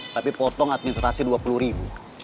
tapi potong administrasi rp dua puluh